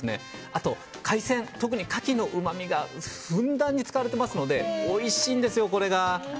あと、海鮮、特にカキのうまみがふんだんに使われていますのでおいしいんですよ、これが。